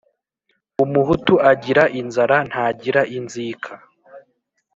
Umuhutu agira inzara ntagira inzika.